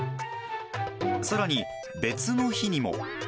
さらに、別の日にも。